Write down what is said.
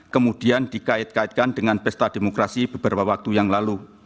kemudian dikait kaitkan dengan pesta demokrasi beberapa waktu yang lalu